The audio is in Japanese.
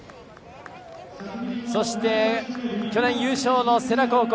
そして、去年優勝の世羅高校。